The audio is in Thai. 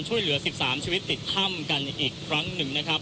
ช่วยเหลือ๑๓ชีวิตติดถ้ำกันอีกครั้งหนึ่งนะครับ